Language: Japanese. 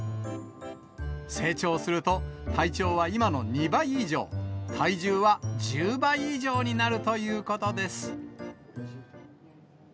成長すると、体長は今の２倍以上、体重は１０倍以上になるということです。